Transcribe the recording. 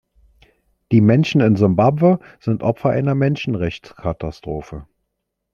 Die Menschen in Simbabwe sind Opfer einer Menschenrechtskatastrophe.